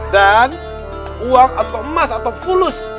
dan uang atau emas atau pulus